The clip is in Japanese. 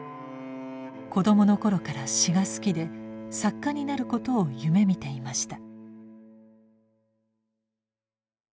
子どもの頃から詩が好きで作家になることを夢見ていました。